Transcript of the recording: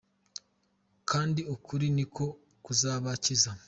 Kandi ukuri ni ko kuzabakiza